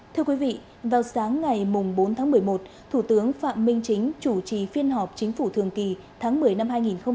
thưa quý vị vào sáng ngày bốn tháng một mươi một thủ tướng phạm minh chính chủ trì phiên họp chính phủ thường kỳ tháng một mươi năm hai nghìn hai mươi